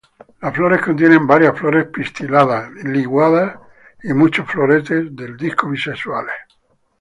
Las flores contienen varias flores pistiladas liguladas y muchos floretes del disco bisexuales.